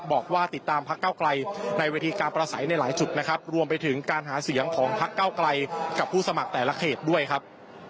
บอกว่าติดตามพักเก้าไกลในเวทีการประสัยในหลายจุดนะครับรวมไปถึงการหาเสียงของพักเก้าไกลกับผู้สมัครแต่ละเขตด้วยครับ